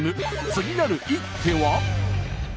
次なる一手は？